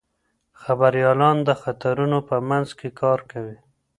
خبریالان د خطرونو په منځ کې کار کوي.